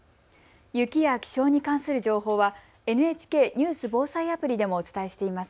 雪や気象に関する情報はＮＨＫニュース・防災アプリでもお伝えしています。